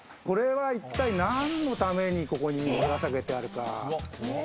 これは一体何のために、ここにぶら下げてあるか。